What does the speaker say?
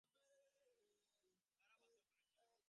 কারা বাধ্য করেছিল?